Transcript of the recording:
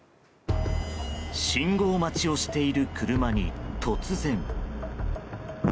信号待ちをしている車に突然。